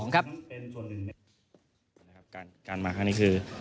การมาข้างนี้คือ